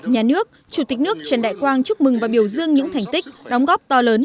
nhà nước chủ tịch nước trần đại quang chúc mừng và biểu dương những thành tích đóng góp to lớn